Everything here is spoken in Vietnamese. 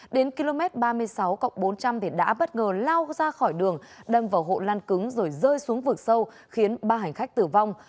đến km ba mươi sáu bốn trăm linh thì đã bất ngờ lao ra khỏi đường đâm vào hộ lan cứng rồi rơi xuống vực sâu khiến ba hành khách tử vong